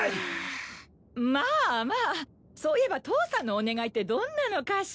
まあまあそういえば父さんのお願いってどんなのかしら。